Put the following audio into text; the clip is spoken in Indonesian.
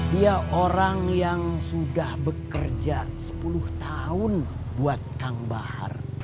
dia orang yang sudah bekerja sepuluh tahun buat kang bahar